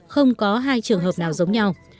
không có hai trường hợp nào giống nhau